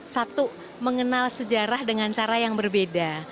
satu mengenal sejarah dengan cara yang berbeda